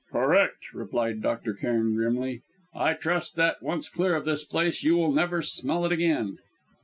"Correct," replied Dr. Cairn grimly. "I trust that, once clear of this place, you will never smell it again."